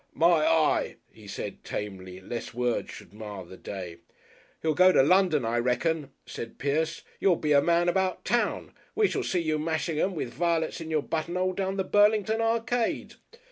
"My eye!" he said tamely, lest words should mar the day. "You'll go to London, I reckon," said Pierce. "You'll be a man about town. We shall see you mashing 'em, with violets in your button'ole down the Burlington Arcade."